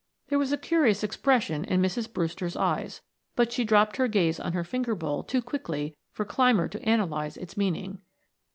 There was a curious expression in Mrs. Brewster's eyes, but she dropped her gaze on her finger bowl too quickly for Clymer to analyze its meaning.